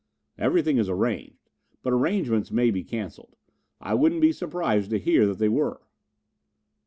"Everything is arranged, but arrangements may be cancelled. I wouldn't be surprised to hear that they were."